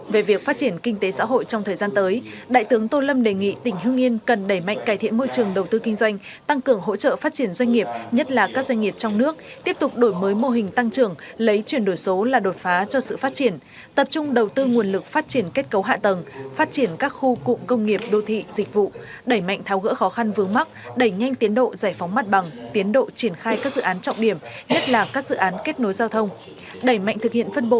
về việc phát triển kinh tế xã hội trong thời gian tới đại tướng tô lâm đề nghị tỉnh hương yên cần đẩy mạnh cải thiện môi trường đầu tư kinh doanh tăng cường hỗ trợ phát triển doanh nghiệp nhất là các doanh nghiệp trong nước tiếp tục đổi mới mô hình tăng trưởng lấy chuyển đổi số là đột phá cho sự phát triển tập trung đầu tư nguồn lực phát triển kết cấu hạ tầng phát triển các khu cụ công nghiệp đô thị dịch vụ đẩy mạnh tháo gỡ khó khăn vướng mắt đẩy nhanh tiến độ giải phóng mắt bằng tiến độ triển